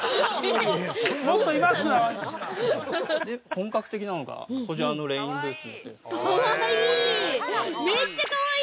◆本格的なのが、こちらのレインブーツ。